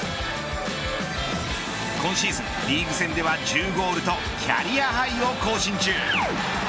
今シーズンリーグ戦では１０ゴールとキャリアハイを更新中。